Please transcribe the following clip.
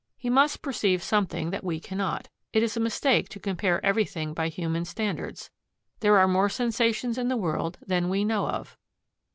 He must perceive something that we cannot. It is a mistake to compare everything by human standards. There are more sensations in the world than we know of.